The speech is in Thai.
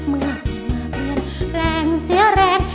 เมื่อที่มาเปลี่ยนแปลงเสียแรง